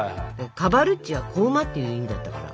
カバルッチは「子馬」っていう意味だったから。